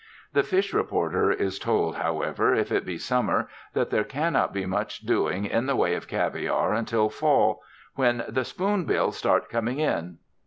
The fish reporter is told, however, if it be summer, that there cannot be much doing in the way of caviar until fall, "when the spoonbill start coming in."